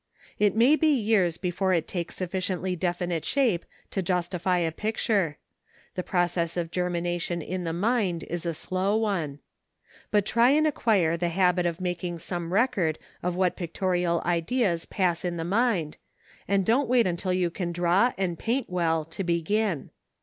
It may be years before it takes sufficiently definite shape to justify a picture; the process of germination in the mind is a slow one. But try and acquire the habit of making some record of what pictorial ideas pass in the mind, and don't wait until you can draw and paint well to begin.